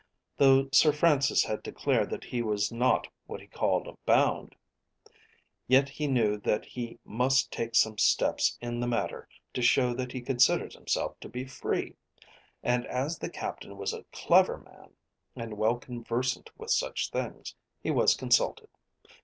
Though Sir Francis had declared that he was not what he called bound, yet he knew that he must take some steps in the matter to show that he considered himself to be free; and as the Captain was a clever man, and well conversant with such things, he was consulted.